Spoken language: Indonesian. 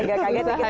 agak kaget ya kita